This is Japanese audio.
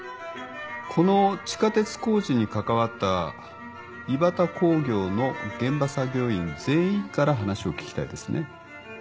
この地下鉄工事に関わったイバタ工業の現場作業員全員から話を聞きたいですね。